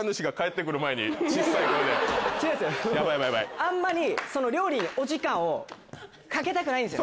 あんまり料理にお時間をかけたくないんですよ